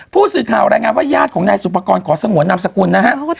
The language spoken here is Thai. ผู้สื่อข่าวรายงานว่าญาติของนายสุปกรณ์ขอสงวนนามสกุลนะฮะ